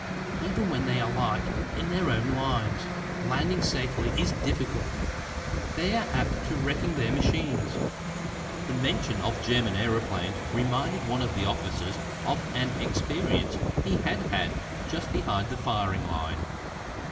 Even when they alight in their own lines, landing safely is difficult. They are apt to wreck their machines." The mention of German aëroplanes reminded one of the officers of an experience he had had just behind the firing line.